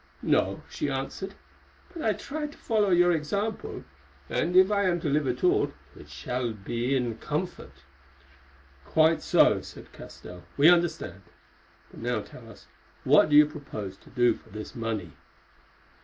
"No," she answered, "but I try to follow your example, and, if I am to live at all, it shall be in comfort." "Quite so," said Castell, "we understand. But now tell us, what do you propose to do for this money?"